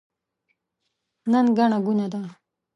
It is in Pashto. نن ګڼه ګوڼه ده.